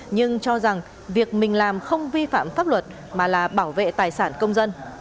nhưng cho rằng việc mình làm không vi phạm pháp luật mà là bảo vệ tài sản công dân